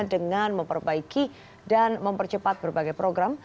dengan memperbaiki dan mempercepat berbagai program